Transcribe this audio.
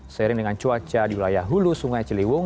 seiring dengan cuaca di wilayah hulu sungai ciliwung